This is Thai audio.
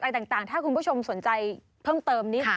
ต่างถ้าคุณผู้ชมสนใจเพิ่มเติมนิด